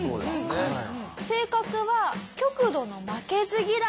性格は極度の負けず嫌い。